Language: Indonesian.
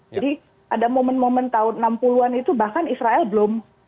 jadi ada momen momen tahun enam puluh an itu bahkan israel belum